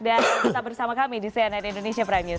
dan tetap bersama kami di cnn indonesia prime news